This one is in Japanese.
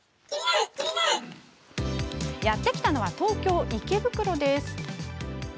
やって来たのは東京・池袋。